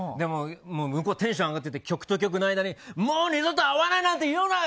向こうテンション上がって曲の間にもう二度と会わないなんて言うなよ！